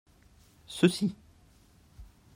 ceux-ci.